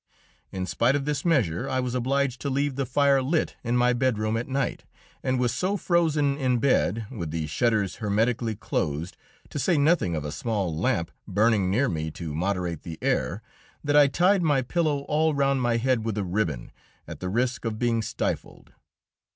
In spite of this measure, I was obliged to leave the fire lit in my bedroom at night, and was so frozen in bed, with the shutters hermetically closed, to say nothing of a small lamp burning near me to moderate the air, that I tied my pillow all round my head with a ribbon, at the risk of being stifled.